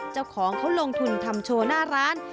เจ้าของเขาลงทุนทำโชว์หน้าร้าน